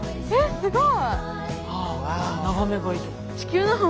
すごい。